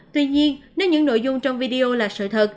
tuy nhiên nếu những nội dung trong video là sự thật